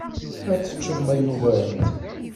Ad teččeḍ ma yugar-d!